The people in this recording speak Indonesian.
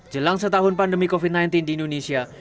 jelang setahun pandemi covid sembilan belas di indonesia